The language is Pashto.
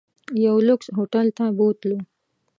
یو لوکس هوټل ته بوتلو.